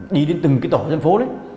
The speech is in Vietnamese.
đi đến từng cái tổ dân phố đấy